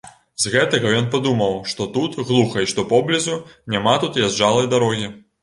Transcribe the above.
З гэтага ён падумаў, што тут глуха і што поблізу няма тут язджалай дарогі.